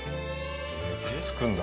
くっつくんだ。